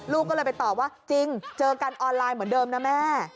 ลูกก็เลยไปตอบว่าจริงเจอกันออนไลน์เหมือนเดิมนะแม่